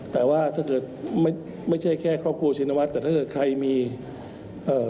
แต่ว่าถ้าเกิดไม่ใช่แค่ครอบครัวชินวัฒน์แต่ถ้าเกิดใครมีเอ่อ